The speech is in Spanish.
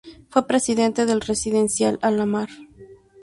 Fue presidente del residencial Alamar.